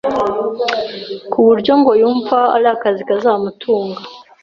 ku buryo ngo yumva ari akazi kazamutunga